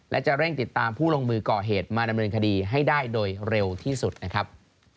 และจะเร่งติดตามผู้ลงมือก่อเหตุมาดำเนินคดีให้ได้โดยเร็วที่สุดนะครับ